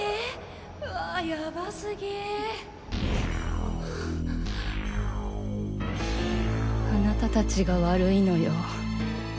うわぁやば過ぎあなたたちが悪いのよ。